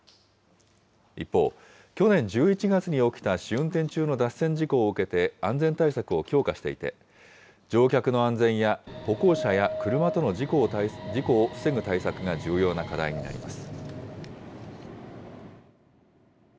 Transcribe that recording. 一方、去年１１月に起きた試運転中の脱線事故を受けて、安全対策を強化していて、乗客の安全や、歩行者や車との事故を防ぐ対策が重要な課題になります。